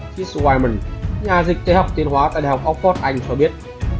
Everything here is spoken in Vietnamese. chris wyman nhà dịch tế học tiến hóa tại washington d c